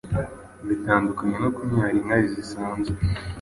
bitandukanye no kunyara inkari zisanzwe